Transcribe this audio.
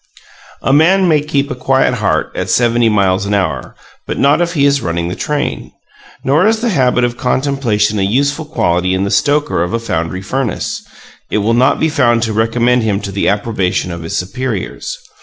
A man may keep a quiet heart at seventy miles an hour, but not if he is running the train. Nor is the habit of contemplation a useful quality in the stoker of a foundry furnace; it will not be found to recommend him to the approbation of his superiors.